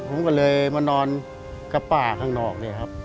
ผมก็เลยมานอนกับป้าข้างนอก